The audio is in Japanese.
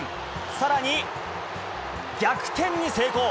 さらに逆転に成功。